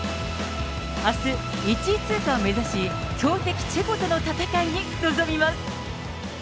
あす、１位通過を目指し、強敵、チェコとの戦いに臨みます。